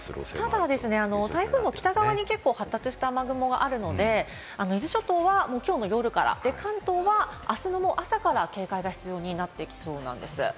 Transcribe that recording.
ただ台風の北側に発達した雨雲があるので、伊豆諸島はきょうの夜から、関東はあすの朝から警戒が必要になってきそうなんです。